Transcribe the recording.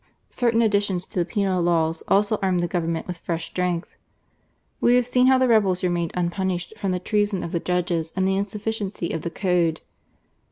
Certain additions to the penal laws also armed the Govern ment with fresh strength. We have seen how the rebels remained unpunished from the treason of the judges and the insufficiency of the Code.